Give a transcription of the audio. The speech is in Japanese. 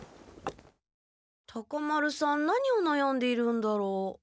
タカ丸さん何をなやんでいるんだろう？